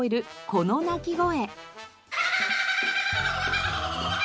この鳴き声。